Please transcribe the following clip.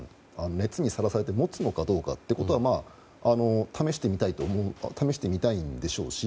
熱にさらされて持つのかどうかということを試してみたいんでしょうし。